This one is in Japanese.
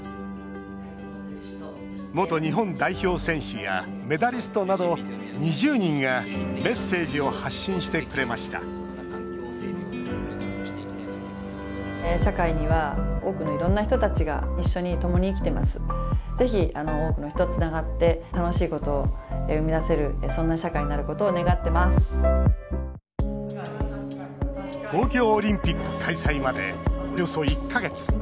元日本代表選手やメダリストなど２０人が、メッセージを発信してくれました社会には多くのいろんな人たちが東京オリンピック開催までおよそ１か月。